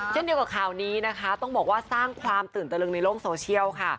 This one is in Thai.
เช่นเดียวกับข่าวนี้นะคะต้องบอกว่าสร้างความตื่นตะลึงในโลกโซเชียลค่ะ